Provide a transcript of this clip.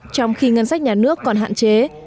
trong khi ngân sách nhà nước còn hạn chế